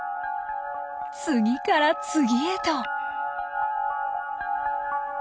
次から次へと。